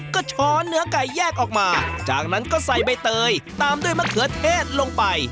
ก็ช้อนเนื้อไก่แยกออกมาจากนั้นก็ใส่ใบเตยตามด้วยมะเขือเทศลงไป